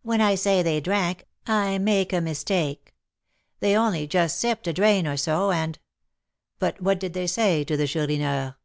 "When I say they drank, I make a mistake; they only just sipped a drain or so, and " "But what did they say to the Chourineur?"